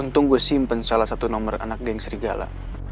untung gue simpen salah satu nomor anak geng serigala